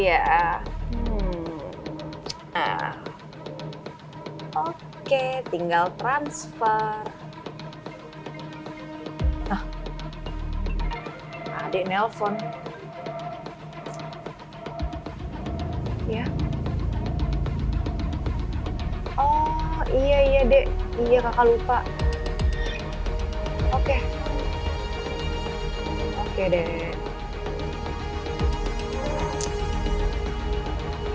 ya oke tinggal transfer ah adik nelpon ya oh iya iya deh iya kakak lupa oke oke deh